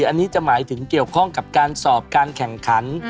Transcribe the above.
อันนี้จะหมายถึงเกี่ยวข้องกับการสอบการแข่งขัน